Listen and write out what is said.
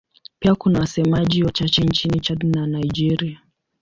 Pia kuna wasemaji wachache nchini Chad na Nigeria.